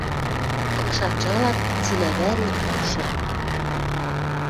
Кыш анжалат — цилӓ вӓре ошы.